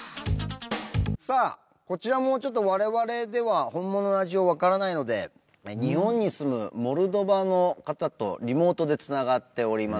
さあこちらもちょっと我々では本物の味をわからないので日本に住むモルドバの方とリモートで繋がっております。